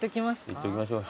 いっときましょう。